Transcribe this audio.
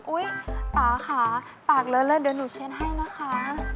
ป่าค่ะปากเลิศเดี๋ยวหนูเช็ดให้นะคะ